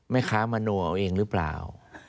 แม่ค้ามโนเอาเองหรือเปล่า